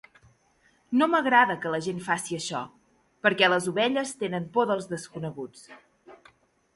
No m'agrada que la gent faci això, perquè les ovelles tenen por dels desconeguts.